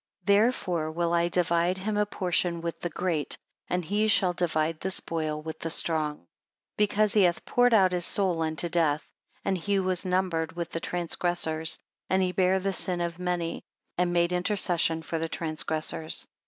14 Therefore will I divide him a portion with the great, and he shall divide the spoil with the strong; because he hath poured out his soul unto death; and he was numbered with the transgressors, and he bare the sin of many, and made intercession for the transgressors.